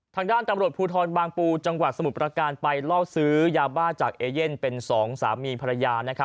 ทางด้านตำรวจภูทรบางปูจังหวัดสมุทรประการไปล่อซื้อยาบ้าจากเอเย่นเป็นสองสามีภรรยา